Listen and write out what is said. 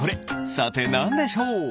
さてなんでしょう？